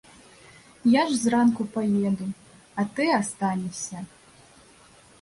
Я ж зранку паеду, а ты астанешся.